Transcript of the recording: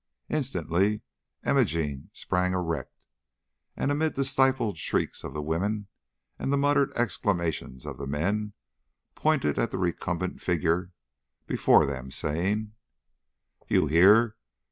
Instantly Imogene sprang erect, and, amid the stifled shrieks of the women and the muttered exclamations of the men, pointed at the recumbent figure before them, saying: "You hear!